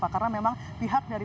karena memang pihak dari perusahaan